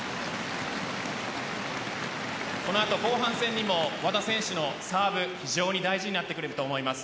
この後後半戦にも和田選手のサーブ非常に大事になってくると思います。